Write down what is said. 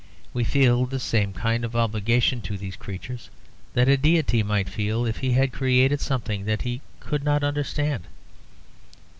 We feel the same kind of obligation to these creatures that a deity might feel if he had created something that he could not understand.